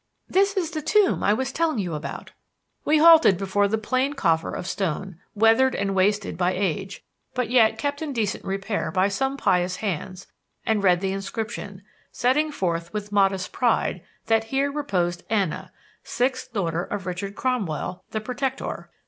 This is the tomb I was telling you about." We halted before the plain coffer of stone, weathered and wasted by age, but yet kept in decent repair by some pious hands, and read the inscription, setting forth with modest pride, that here reposed Anna, sixth daughter of Richard Cromwell, "The Protector."